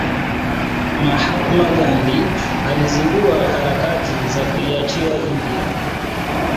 Mahatma Gandhi alizindua harakati za kuiacha india